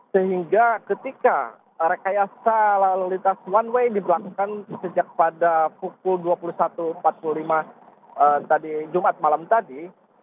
sehingga ketika rekayasa lalu lintas one way diberlakukan sejak pada pukul dua puluh satu empat puluh lima tadi jumat malam tadi